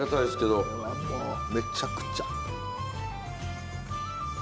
もうめちゃくちゃ。